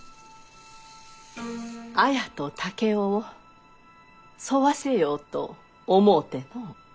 綾と竹雄を添わせようと思うてのう。